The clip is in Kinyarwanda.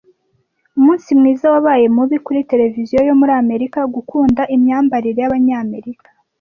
Umunsi mwiza wabaye mubi kuri televiziyo yo muri Amerika Gukunda Imyambarire y'Abanyamerika